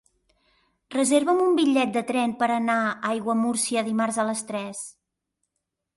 Reserva'm un bitllet de tren per anar a Aiguamúrcia dimarts a les tres.